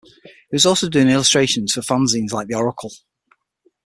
He was also doing illustrations for fanzines like "The Oracle".